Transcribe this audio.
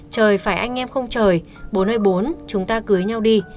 trời phải anh em không trời bốn nơi bốn chúng ta cưới nhau đi